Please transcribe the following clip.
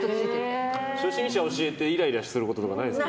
初心者に教えてイライラすることとかないですか。